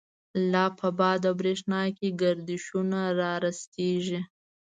لا په باد او برَښنا کی، گردشونه را رستیږی